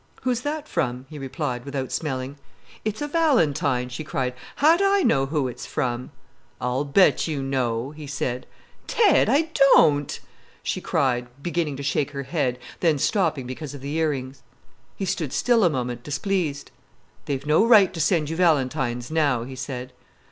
"Who's that from?" he replied, without smelling. "It's a valentine," she cried. "How do I know who it's from?" "I'll bet you know," he said. "Ted!—I don't!" she cried, beginning to shake her head, then stopping because of the ear rings. He stood still a moment, displeased. "They've no right to send you valentines, now," he said.